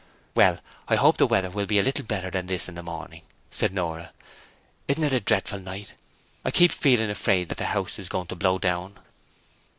'Well, I hope the weather will be a little better than this in the morning,' said Nora. 'Isn't it a dreadful night! I keep feeling afraid that the house is going to be blown down.'